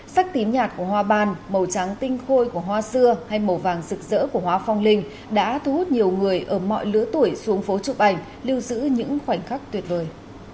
sắc tím nhạt của hoa ban màu trắng tinh khôi của hoa xưa hay màu vàng rực rỡ của hoa phong linh đã thu hút nhiều người ở mọi lứa tuổi xuống phố chụp ảnh lưu giữ những khoảnh khắc tuyệt vời